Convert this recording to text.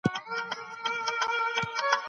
د الله تعالی بښنه خورا پراخه ده.